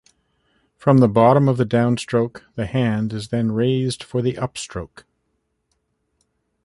From the bottom of the down-stroke, the hand is then raised for the upstroke.